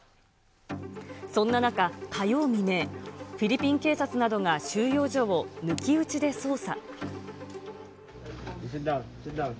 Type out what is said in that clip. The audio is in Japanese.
そんな中、火曜未明、フィリピン警察などが収容所を抜き打ちで捜査。